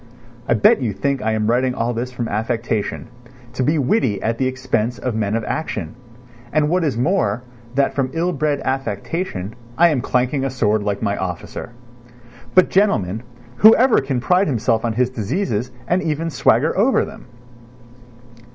I bet you think I am writing all this from affectation, to be witty at the expense of men of action; and what is more, that from ill bred affectation, I am clanking a sword like my officer. But, gentlemen, whoever can pride himself on his diseases and even swagger over them?